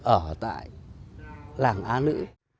ở tại làng á nữ